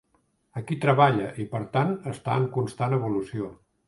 Aquí treballa i, per tant, està en constant evolució.